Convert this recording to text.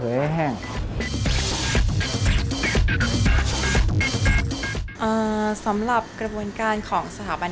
เพื่อให้เส้นผมตกตะกอนอยู่ข้างล่าง